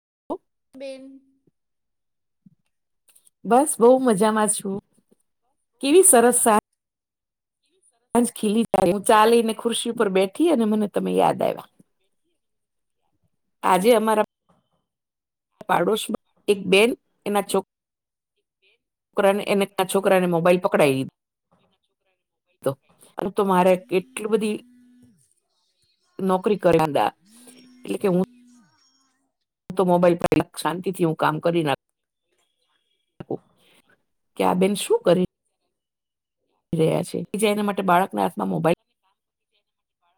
[inaudible] બેન બસ બહુ મજામાં છું. કેવી સરસ સા ન્જ ખીલી [inaudible] હું ચાલી ને ખુરશી ઉપર બેઠી, અને મને તમે યાદ આયવા. [inaudible] આજે અમારા [inaudible] પાડોશમાં એક બેન એના છો [inaudible] કરાને એને એના છોકરાને મોબાઈલ પકડાઈવી [inaudible] ધો. એમ તો મારે કેટલી બધી નોકરી કર [unintelligible] એટલે કે હું હું તો મોબાઈલ પર [unintelligible] શાંતિ થી હું કામ કરી નાખ [unintelligible] કે આ બેન શું કરી રહ્યા છે. બીજા એના માટે બાળકના હાથમાં મોબાાઈલ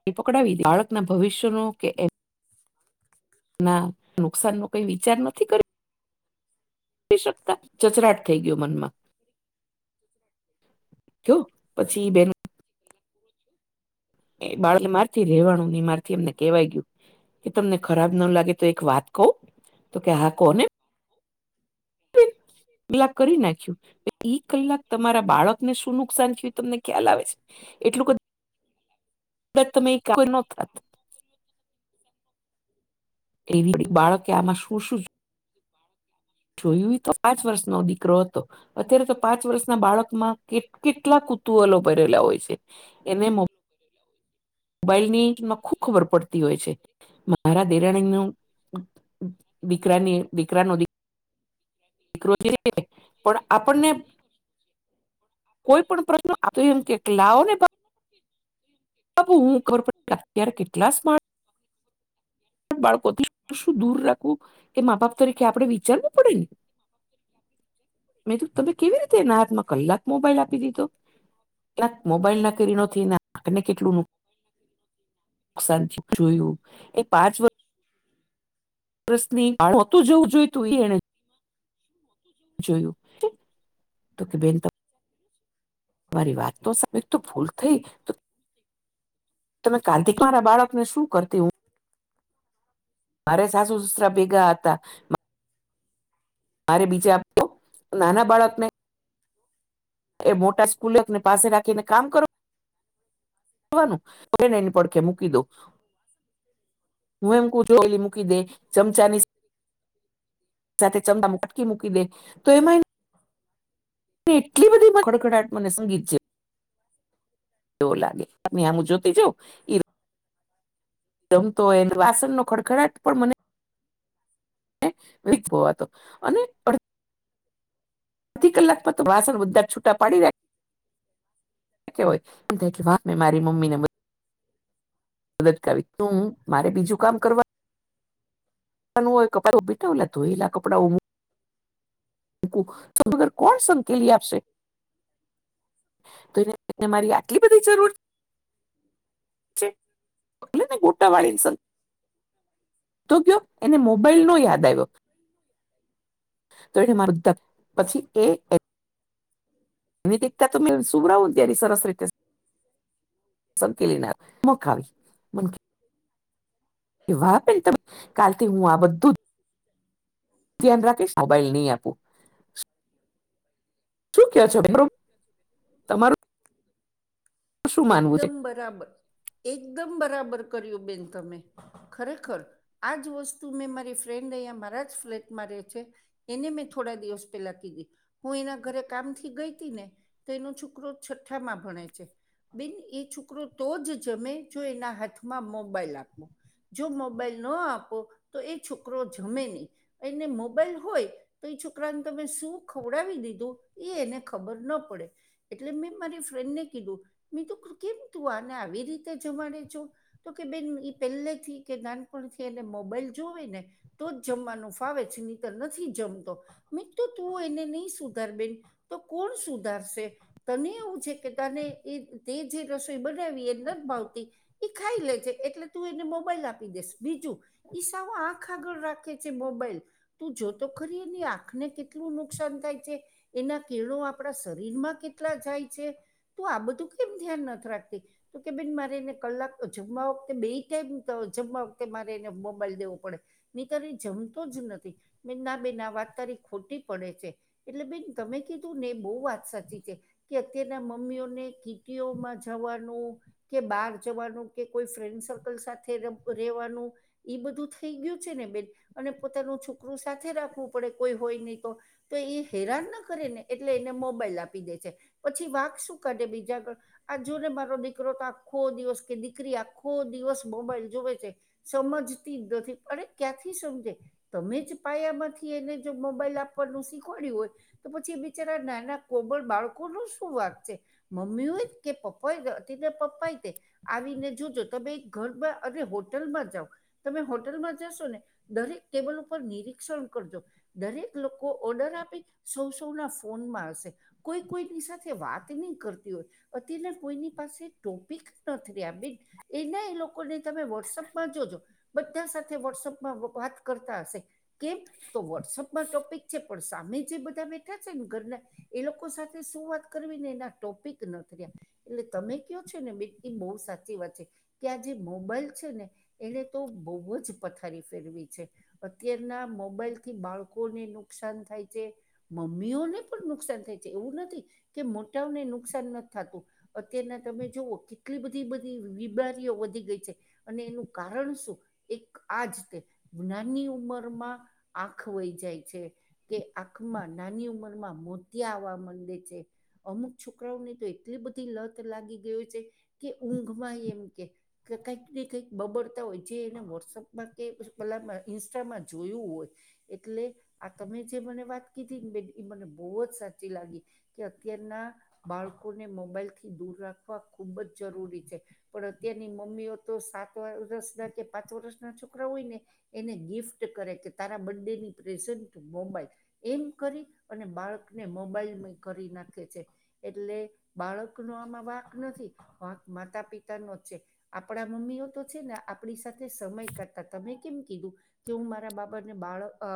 [unintelligible] પકડાવી દે, બાળક ના ભવિષ્યનું કે એમ ના નુકસાન નું કંઈ વિચાર નથી કર રી શકતા? ચચરાટ થઈ ગયો મનમાં. થયો. પછી બેન [inaudible] એ બાળક [inaudible] માર થી રહેવાનું મારથી એમને કહેવાય ગયું કે તમને ખરાબ ન લાગે તો એક વાત કહું? તો કહે હા કહો ને. [inaudible] [unintelligible] કરી નાખ્યું ઈ કલાક તમારા બાળકને શું નુકસાન થયું એ તમને ખ્યાલ આવે છે. એટલુંક જ [unintelligible] એવી બાળકે આમાં શું-શું [inaudible] જોયું ઈ તો પાંચ વર્ષનો દીકરો હતો. અત્યારે તો પાંચ વર્ષના બાળકમાં કે કેટલા કુતુહલો ભરેલા હોય છે એને મોબાઈલ નીમાં ખુબ ખબર પડતી હોય છે. મારા દેરાણી નું દીકરા ની દીકરા નો દીકરો પણ આપણને કોઈ પણ પ્રશ્ન આપ [inaudible] એમ કેક લાવો ને [inaudible] હું ખબર પડ અત્યારે કેટલા સ્માટ બાળકોથી શું દૂર રાખવું કે મા બાપ તરીકે આપણે વિચારવું પડે ને મેં તો તમે કેવી રીતે એના હાથમાં કલાક મોબાઈલ આપ આપી દીધો કયાક મોબાઈલ ના કરીણોને [inaudible] કેટલું [unintelligible] નુકસાનથી જોયું મે નથી જોયું. પ્રશની આ હોતું જવું જોઈતું એ એણે [inaudible] જોયું તો કે બેન ત મારી વાત તો સા તો ભૂલ થઈ તમે કાર્તિક મારા બાળકને શું કરતી હો મારે સાસુ સસરા ભેગા હતા મારે બીજા [inaudible] નાના બાળકને એ મોટા સ્કૂલક ને પાસે રાખીને કામ કરો ને એની પડખે મૂકી દો હું એમ કહું છું. મુકી દે ચમચાની સાથે ચમદામાં [inaudible] વાટકી મૂકી દે તો એમાં એટલી બધી કડકડાટ મને સંગીત છે. દો લાગે હામી આમું જોતી જઉ. રમતો હોય એલે વાસણ નો ખડખડાટ પણ મને. વેગ ભોવાતો અને. અડધી કલાકમાં તો વાસણ બધા છૂટા પાડી રા રાખ્યા હોય મે મારી મમ્મીને. મદદ કરવી તું હું મારે બીજું કામ કરવા. કપ બીટાવ લતું [inaudible] એલા કપડાં ઉ તુ કોણ સંકેલી આપશે. તો એને મારી આટલી બધી જરૂર છે એટલે મેં ગોટાવાળી સ. તો કયો એને મોબાઈલ નો યાદ આવ્યો. તો એને મારતા પછી એ. અનેતા તોમે શ સુભ [inaudible] રાહુંલ ત્યારે સરસ રીતે. સંકેલી નાખ મુખ હાલ. વાહ બેન તમને કાલથી હું આ બધું જ. હમ. [inaudible] ધ્યાન રાખીશ મોબાઈલ નહીં આપું. શું કે છો [inaudible] તમારું શું માનવું છે એકદમ બરાબર એકદમ બરાબર કર્યું બેન તમે ખરેખર આજ વસ્તુ મેં મારી ફ્રેન્ડ અહીંયા મારા જ ફ્લેટમાં રે છે. એને મેં થોડા દિવસ પેલા કીધી, હું એના ઘરે કામથી ગઈ હતી ને. તેનો છોકરો છઠ્ઠામાં ભણે છે. બેન એ છોકરો તો જ જમે જો એના હાથમાં મોબાઈલ આપવો. જો મોબાઈલ ન આપો, તો એ છોકરો જમે નહી, એને મોબાઈલ હોય. તો એ છોકરાને તમે શું ખવડાવી દીધું, એ એને ખબર ના પડે. એટલે મેં મારી ફ્રેન્ડને કીધું, મે તું કેમ તું આને આવી રીતે જમાડે છો? તો કે બેન એ પહેલેથી કે નાનપણથી એ મોબાઈલ જોવે ને. તો જ જમવાનું ફાવે છે નીતર નથી જમતો. મિત્ર તું એને નહી સુધાર બેન, તો કોણ સુધારશે. તને એવું છે કે તને એ તે જે રસોઈ બનાવી એ નથી ભાવતી. એ ખાઈ લે છે એટલે તું એને મોબાઈલ આપી દેસ બીજું. સાવ આંખ આગળ રાખે છે મોબાઈલ. તું જોતો ખરી એ ને આંખને કેટલું નુકસાન થાય છે. એના કિરણો આપણા શરીરમાં કેટલા જાય છે, તો આ બધા તું કેમ ધ્યાન નથી રાખતી. તો કે બેન મારે એને કલાક જમવા વખતે બે ટાઈમ જમવા વખતે મારે એને મોબાઈલ દેવો પડે. મ તારી જમતો જ નથી, મે ના બેન વાત તારી ખોટી પડે છે. એટલે બેન તમે કીધું ને એ બહુ વાત સાચી છે, કે અત્યારના મમ્મીઓને ખીટીઓમાં જવાનું. કે બહાર જવાનું કે કોઈ ફ્રેન્ડ સર્કલ સાથે રહેેવાનું. એ બધું થઈ ગયું છે ને બેન, અને પોતાનું છોકરું સાથે રાખવું પડે કોઈ હોય નહી તો. તો એ હેરાન ના કરે ને એટલે એને મોબાઈલ આપી દે છે, પછી વાક શું કાઢે બીજું જ [unintelligible] આ જોુ ને મારો દીકરો તો આખો દિવસ કે દીકરી આખો દિવસ મોબાઈલ જોવે છે. સમજતી જ નથી અને ક્યાંથી સમજે. તમે જ પાયા માંથી એને જો મોબાઈલ આપવાનું શીખવાડ્યું હોય. તો પછી એ બિચારા ના ના કોબર બાળકો ન શું વાગ છે. મમ્મી હોય કે પપ્પા હોય હતી પપ્પા તે. આવીને જોજો તમે એક ઘરમાં અને હોટલમાં જાઓ. તમે હોટલમાં જશો ને, દરેક ટેબલ ઉપર નિરીક્ષણ કરજો. દરેક લોકો ઓર્ડર આપી, સૌ સૌ ના ફોનમાં હશે. કોઈ કોઈની સાથે વાત નહી કરતા. અત્યાર્યારે કોઈની પાસે ટોપિક નથી બે એના એ લોકોને તમે વોટ્સઅપમાં જોજો. બધા સાથે વોટ્સઅપમાં વાત કરતા હશે, કેમ તો વોટ્સઅપમાં ટોપિક છે પણ સામે જે બધા બેઠા છે ને ઘરના, એ લોકો સાથે શું વાત કરવી ને એના ટોપિક ન થર્યા, એટલે તમે કહ છો ને બે એ બહુ સાચી વાત છે. કે આ જે મોબાઈલ છે ને, એને તો બહુ જ પથારી ફેરવી છે. અત્યારના મોબાઈલ થી બાળકોને નુકસાન થાય છે. મમ્મીઓને પણ નુકસાન થાય છે એવું નથી કે, મોટાઓને નુકસાન ન થતું, અત્યારના તમે જોવઓ કેટલી બધી બધી બીમારીઓ વધી ગઈ છે. અને એનું કારણ શું, એક આજ તે, જ્ઞની ઉમરમાં આંખ વઈ જાય છે. કે આંખમાં નાની ઉંમર માં મોતિયા આવા માંડે છે, અમુક છોકરાઓ ની તો એટલી બધી લત લાગી ગય છે કે, ઊંઘમાં એમ કે કે કંઈક ને કંઈક બબડતા હોય જે એને વોટ્સઅપમાં કે પેલામાં ઇન્સ્ટામાં જોયું હોય એટલે આ તમે જે મને વાત કીધી ને બેન એ મને બહુ જ સાચી લાગી કે અત્યાર ના બાળકોને મોબાઈલથી દૂર રાખવા ખૂબ જ જરૂરી છે પણ અ તેની મમ્મીઓ તો સાત વરસ ના કે પાંચ વરસ ના છોકરા હોય ને એને ગિફ્ટ કરે કે તારા બર્ડે ની પ્રેઝન્ટ મોબાઈ એમ કરી અને બાળકને મોબાઈલમય કરી નાખે છે એટલે બાળકનો આમાં વાક નથી વાક માતા પિતા નો જ છે આપડા મમ્મીઓ તો છે ને આપડી સાથે સમય કરતા તમે કેમ કીધું કે હું મારા બાપા ને બાળ અ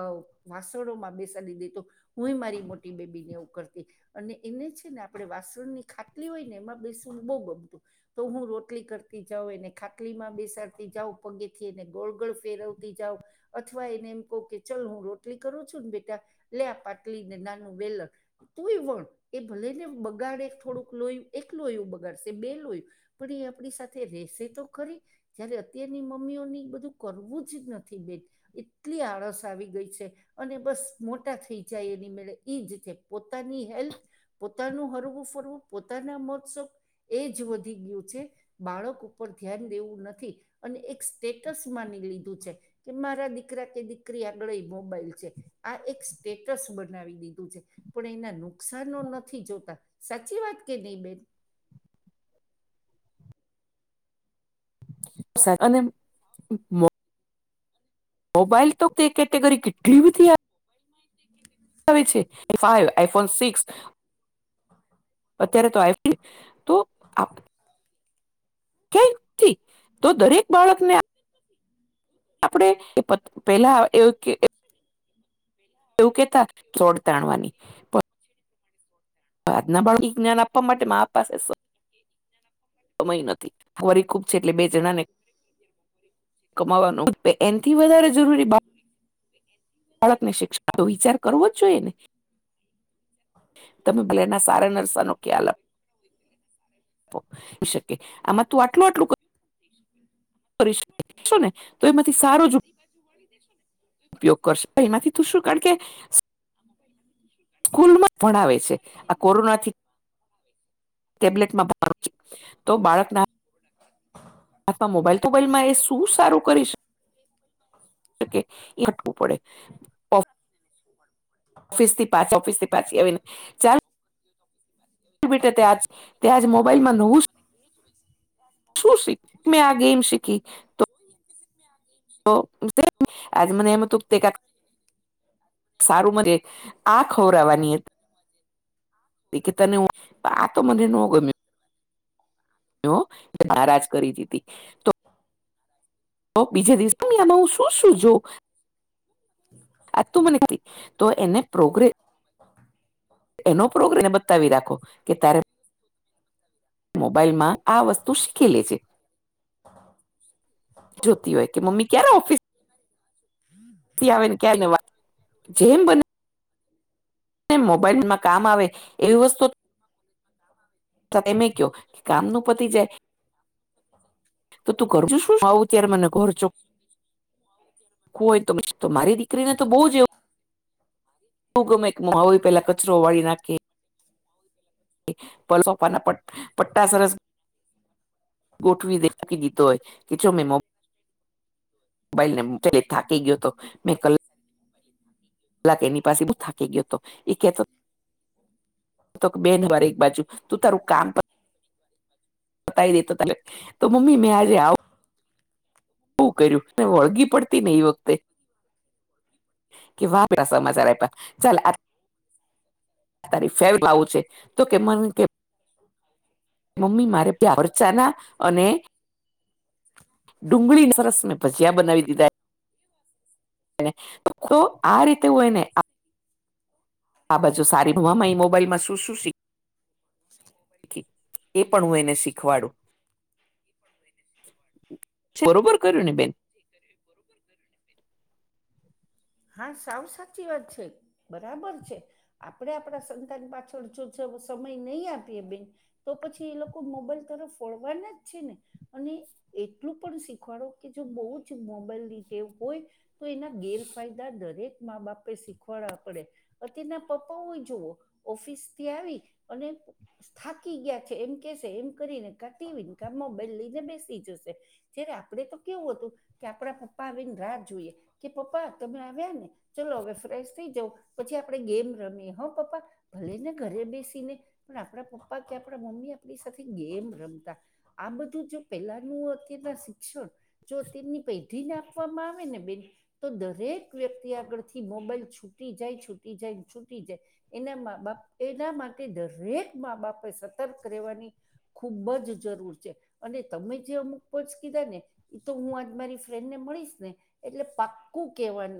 વાસણોમાં બેસાડી દીધો હું એ મારી મોટી બેબી ને એવું કરતી અને એને છે ને આપડે વાસણ ની ખાટલી હોય ને એમાં બેસવુ બહુ ગમતું તો હું રોટલી કરતી જાઉં એને ખાટલી માં બેસાડતી જાઉં પગેથી એને ગોળ ગોળ ફેરવતી જાઉ અથવા એને એમ કઉ કે ચલ હું રોટલી કરું છું ને બેટા લે આ પાટલી ને નાનું વેલક તોએ વણ એ ભલે ને બગાડે થોડુંક લોયુ એક લોયુ બગાડસે બે લોયું પણ એ આપડી સાથે રેશે તો ખરી જ્યારે અત્યારની મમ્મીઓને બધું કરવું જ નથી બેન એટલી આળસ આવી ગઈ છે અને બસ મોટા થઈ જાય એની મેળે એજ છે પોતાની હેલ્ક પોતાનું હરવું ફરવું પોતાના મોજ શોક એ જ વધી ગ્યું છે બાળક ઉપર ધ્યાન દેવું નથી અને એક સ્ટેટસ માની લીધું છે કે મારા દીકરા કે દીકરી આગળ એ મોબાઈલ છે આ એક સ્ટેટસ બનાવી દીધું છે પણ એના નુકસાનનો ન થી જોતા સાચી વાત કે નઈ બેન સા અને મો મોબાઈલ તો તે કેટેગરી કેટલી બધી આ [unintelligible] કેટલી આવે છે એ ફાઈવ આઈફોન સિક્સ અત્યારે તો આઈ [unintelligible] તો આપ ક્યા થી તો દરેક બાળક ને આ આપડે [unintelligible] પેલા એવું કે એવું કેતા [unintelligible] તાણવાની પ ના [unintelligible] જ્ઞાન આપવા માટે મા પાસે સ એ જ્ઞાન આપવા માંરે કમાય નથી ફોરીખુબ છે એટલે બે જણાને કમાવાનું [unintelligible] થી વધારે બઉ જ જરૂરી છે બાળકને શિક્ષ [unintelligible] આતો વિચાર કરવો જ જોઈએ ને તમે ભલે એના સારા નસા નો ખ્યાલ અ પો ઈ શકે આમાં તું આટલું આટલું ક હ અ કરીશું ને તો એમાંથી સારો જ જો વાળી દેશો ને ઉપયોગ કરશો એમાંથી તું શું કારણ કે સ્કૂલમાં જ ભણાવે છે આ કોરોનાથી ટેબ્લેટમાં ભણવાનું છું તો બાળકના આથવા મોબાઈલ-તોબાઈલમાં એ શું સારું કરીશ એ હટકું પડે. ફિસ્તી ઓફિસ પછી આવે [inaudible] ચાલ બેટા બેટા ત્યાં આજે ત્યાં જ તે શું શું મોબાઈલમાં નવું કર્યું મને કે. એજ હું છે. શું શીખ મેં આ ગેમ શીખી તો [inaudible] તો [inaudible] આજે મને એમ હતું તે કાક [inaudible] સારું [inaudible] આ ખોરાવાનીય [inaudible] એ કે તને આ તો મને ન ગમે એ નારાજ કરી દીધી તો તો બીજા દિવસે ત આમાં હું શું શું જોવ. હ. આ તું મને [inaudible] તો એને પ્રોગ્રે એનો પ્રોગ્રામ બતાવી રાખો કે તારે બાયમાં આ વસ્તુ શીખી લે છે જોતી હોય કે મમ્મી ક્યારે ઓફિસ, હમ, [inaudible] [inaudible] ક્યાં જવાય વાય. જેમ બને મોબાઈલમાં કામ આવે એવી વસ્તુ, તાવ આવે? એમે ક્યો કામ નો પતી જાય તો તું [unintelligible] [inaudible] અત્યારે મને કચરો હોય તો તો મારી દીકરીને તો બહુ જ એવું, હ ગમે હું આવું એના પેલા કચરો વાળી નાખે. પલસોફાના પટ-પટ્ટા સરસ ગોઠવી દેતો હોય કે જો મેં મમ્મી બાઈલને [inaudible] થાકી ગયો હતો મેં ક કલાક એની પાસે બહુ થાકી ગયો હતો એ કેતો તો બેન વાર એક બાજુ તું તારું કામ પતાવ તાઈ દેતો તને તો મમ્મી મેં આજે આવું હુ કર્યું અને વળગી પડતી ને ઈ વખતે. [inaudible] છે તો કે મન કે [inaudible] મમ્મી મારે [unintelligible] છે ના અને ડુંગળીને સરસ મેં ભજીયા બનાવી દીધા ને તો આ રીતે હોયને આ બાજુ સારી [inaudible] મોબાઈલમાં શું શું શી [unintelligible] ઠીક એ પણ હું એને શીખવાડું. બરોબર કર્યું ને બેન. તે કર બરોબર. હા સાવ સાચી વાત છે બરાબર છે. આપણે આપણા સંતાન પાછળ જો સમય નહીં આપીએ બેન. તો પછી એ લોકો મોબાઈલ તરફ ફોડવાના જ છે ને. અને એટલું પણ શીખવાડો કે જો બહુ જ મોબાઈલ રીતે હોય. તો એના ગેર ફાયદા દોરે મા બાપે શીખવાડ પડે. અતના પપ્પાઓય જુવઓ, ઓફિસ થી આવી, અને થાકી ગયા છે એમ કેશે એમ કરીને કાટીને કામમાં બદલીને બેસી જશે. જ્યારે આપડે તો કેવું હતું, કે આપડા પપ્પા આવીને રાહ જોઈએ, કે પપ્પા તમે આવ્યા ને, ચલો હવે ફ્રેશ થઈ જવ, પછી આપણે ગેમ રમીએ હ પપ્પા. ભલે ને ઘરે બેસીને પણ આપણા પપ્પા કે આપણા મમ્મી આપણી સાથે ગેમ રમતા. આ બધું જો પેલાનું અત્યારના શિક્ષણ. જો તેમની પૈઢીને આપવામાં આવે ને બેન, તો દસ દરેક વ્યક્તિ આગળથી મોબાઈલ છૂટી જાય છૂટી જાય છૂટી જાય. એના બાપ એના માટે દરેક મા બાપે સતર્ક રહેવાની. ખૂબ જ જરૂર છે, અને તમે જે અમુક પક્ષ કીધા ને. એ તો હું આજ મારી ફ્રેન્ડ ને મળીશ ને, એટલે પાક્કું કેવાની.